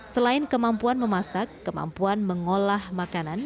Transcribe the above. selain kemampuan memasak kemampuan mengolah makanan